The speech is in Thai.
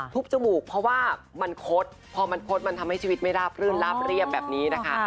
จมูกเพราะว่ามันคดพอมันคดมันทำให้ชีวิตไม่ราบรื่นลาบเรียบแบบนี้นะคะ